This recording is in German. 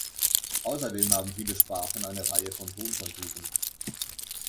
Außerdem haben viele Sprachen eine Reihe von Tonkonturen.